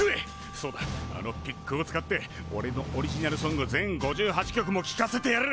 そうだあのピックを使っておれのオリジナルソング全５８曲もきかせてやる！